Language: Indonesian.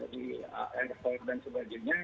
di airport dan sebagainya